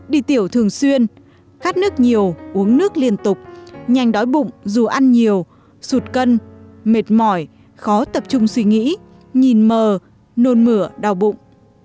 đi tiểu thường xuyên khát nước nhiều uống nước liên tục nhanh đói bụng dù ăn nhiều sụt cân mệt mỏi khó tập trung suy nghĩ nhìn mờ nôn mửa đau bụng